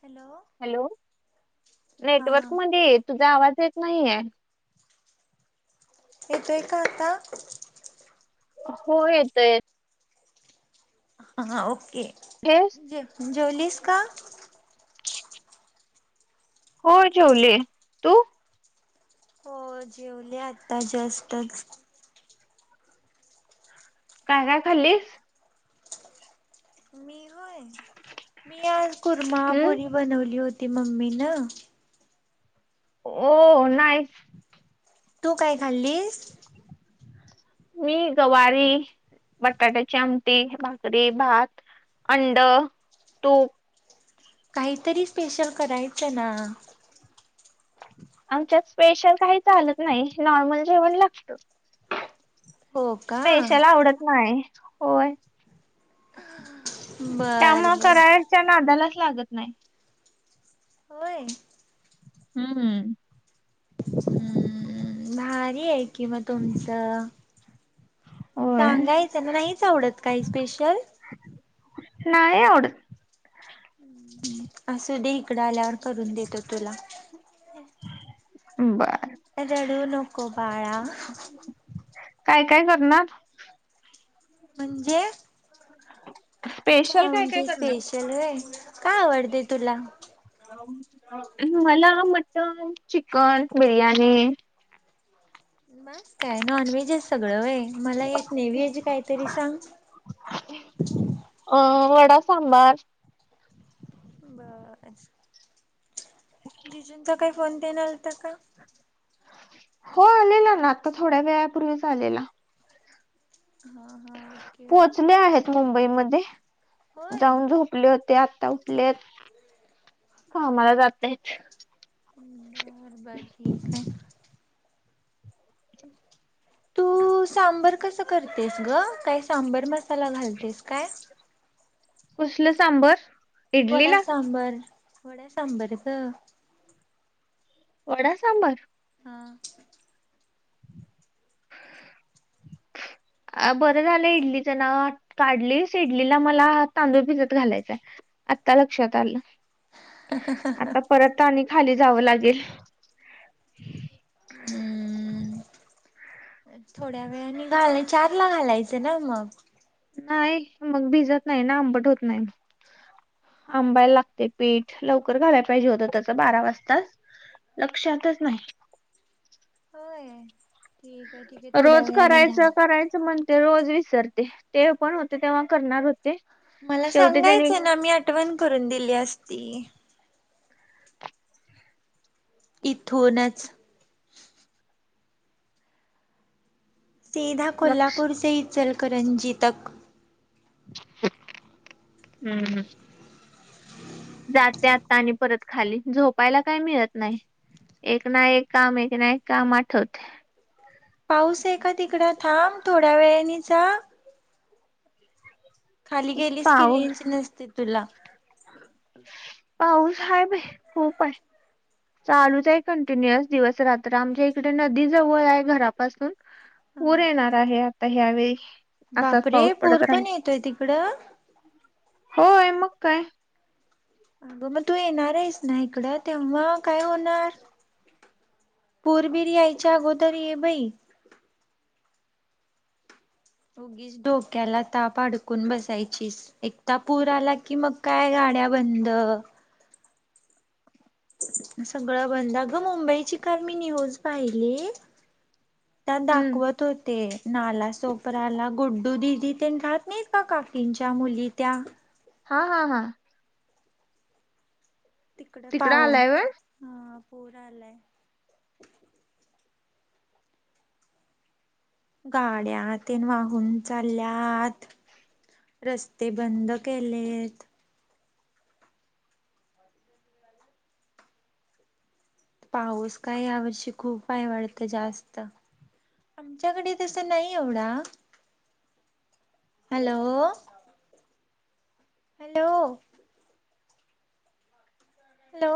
Hello! Hello हा network मध्ये तुझा आवाज येत नाहीये. येतोय का आता. हो येत य. हा ओके. [inaudible] जेव जेवलीस का?. होय जेवले तू. हो जेवले आता जस्टच काय काय खालीस? मी होय मी आज हम्म कुरमापुरी बनवली होती मम्मी ना. हो नाही. तू काय खाल्लीस. मी गवारी बटाट्याची आमटी भाकरी भात अंड तूप. काहीतरी स्पेशल करायचं ना. आमच्यात स्पेशल काही चालत नाही नॉर्मल जेवण लागत. हो का स्पेशल आवडत नाही होय. त्या बर म बर करायच्या नादालाच लागत नाही. होय. हम् हम. हम्म भारी आहे कि म तुमचं होय सांगायचं म नाहीच आवडत काही स्पेशल. नाहीय आवड. असू दे इकडं आल्यावर करून देतो तुला. बर. रडू नको बाळा. काय काय करणार. म्हणजे. अच्छा स्पेशल काय काय म्हणजे करणार? स्पेशल होय काय आवडते तुला. मला मटन चिकन बिर्याणी. मस् काय नॉनव्हेज आहे सगळं व मला एक नेव्हेज काहीतरी सांग अ वडा सांबार. बर जिजूनंचा काही फोन देण आलता का. हो आलेला ना आता थोड्या वेळापूर्वीच आलेला. हा हा ओके ओके पोहचले आहेत मुंबई मध्ये होय. जाऊन झोप. उठले होते आता उठले आहेत कामाला जात आहे. बरबर ठीक आहे. [inaudible] तू सांबर कसं करतेस ग काय सांबर मसाला घालतेस काय? कसलं सांबर? वडा इडलीला सांबर वड्या सांबर. वडा सांबार? हा. अ बरं झालं इडलीच नाव काढलीस इडलीला मला तांदूळ भिजत घालायचंय. आता लक्षात आलं आता परत आणि खाली जावं लागेल. हम्म. थोड्या वेळानी आणि घालणे चार ला घालायचं ना मग. नाही मग भिजत नाही आंबट होत नाही. आंबायला लागतय पीठ लवकर घायला पाहिजे होतं तस बारा वाजताज. लक्षातच नाही. अय. रोज करायचं करायचं म्हण ते रोज विसरते ते पण होते तेव्हा करणार होते. मला शेवटी त्यांनी सांगायचं ना मी आठवण करून दिली असती. इथूनच. सीधा लक्ष कोल्हापूर से इचलकरंजी तक. हम्म. जाते आता आणि परत खाली झोपायला काय मिळत नाही. एक ना एक काम एक ना एक काम आठवतय. पाऊस हे का तिकड थांब थोड्या वेळेनी जा. खाली गेलीस की पाऊस रेंज नसते तुला. पाऊस हाय बई खूप हाय. चालूच आहे कंटिन्युअस दिवस रात्र आमच्या इकडे नदी जवळ हाय घरापासून. पूर येणार आहे आता ह्यावेळी. असाच बापरे पाऊस पुर पडत राहील पण येतोय तिकडं. होय मग काय. अग मग तू येणार आहेस ना, इकडं तेव्हा काय होणार. पूर बिर यायच्या अगोदर ये बाई. उगीच डोक्याला ताप अडकून बसायचीस. एक ता पूर आला कि मग काय गाड्या बंद. सगळं बंद आगं मुंबईची काल मी न्यूज पाहिली. त्यात हम्म दाखवत होत. ते नाला सोपराला गुड्डू दिदी तेन राहत नाहीत का काकींच्या मुली त्या हा हा हा. तिकडे तिकडं पाहु आलाय व्हय? हा पूर आलाय. गाड्या तेन वाहून चाल्यात. रस्ते बंद केलेत. पाऊस काय या वर्षी खूप हाय वाढतं जास्त. आमच्याकडे तस नाही एवढा हॅलो. हॅलो. हॅलो.